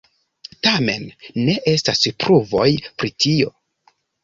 Tamen ne estas pruvoj pri tio.